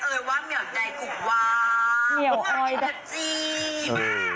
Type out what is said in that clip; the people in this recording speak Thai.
แบบเหนียวกรอยเอ่ยว่าเหนียวใดกุ๊กว้าง